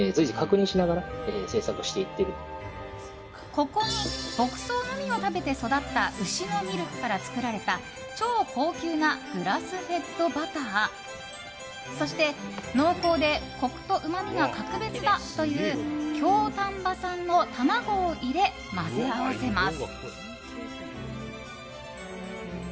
ここに牧草のみを食べて育った牛のミルクから作られた超高級なグラスフェッドバターそして、濃厚でコクとうまみが格別だという京丹波産の卵を入れ混ぜ合わせます。